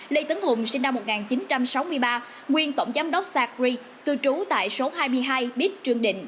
lê tấn hùng sinh năm một nghìn chín trăm sáu mươi ba nguyên tổng giám đốc sài gòn cư trú tại số hai mươi hai bít trương định